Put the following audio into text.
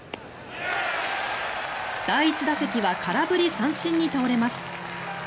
第１打席は空振り三振に倒れます。